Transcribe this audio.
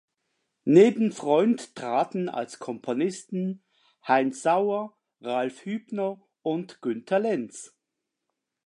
Neben Freund traten als Komponisten Heinz Sauer, Ralf Hübner und Günter Lenz.